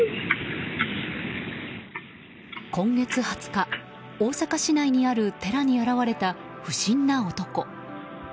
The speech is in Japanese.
今月２０日、大阪市内にある寺に現れた不審な男。